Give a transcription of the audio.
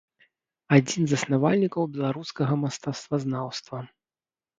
Адзін з заснавальнікаў беларускага мастацтвазнаўства.